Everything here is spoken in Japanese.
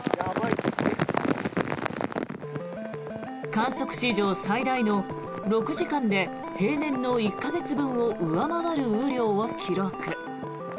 観測史上最大の６時間で平年の１か月分を上回る雨量を記録。